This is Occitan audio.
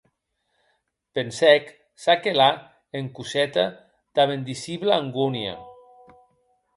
Pensèc, ça que la, en Cosette damb indicibla angónia.